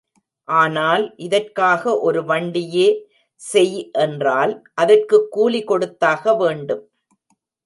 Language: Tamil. ஆனால், இதற்காக ஒரு வண்டியே செய் என்றால் அதற்குக் கூலி கொடுத்தாக வேண்டும்.